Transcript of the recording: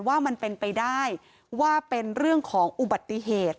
ว่ามันเป็นไปได้ว่าเป็นเรื่องของอุบัติเหตุ